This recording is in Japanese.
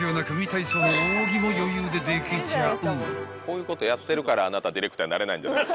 体操の扇も余裕でできちゃう］